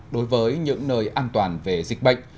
đối với những nơi an toàn về dịch bệnh